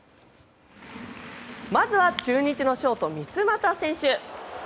まずは中日のショート三ツ俣選手。